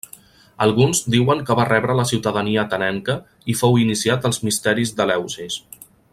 Alguns diuen que va rebre la ciutadania atenenca i fou iniciat als misteris d'Eleusis.